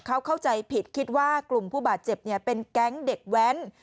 เขาเข้าใจผิดคิดว่ากลุ่มผู้บาดเจ็บเป็นแก๊งเด็กแว้น